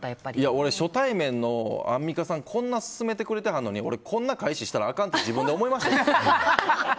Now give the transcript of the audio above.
俺、初対面のアンミカさんがこんなに勧めてくれてはるのに俺こんな返ししたらあかんって自分で思いましたよ。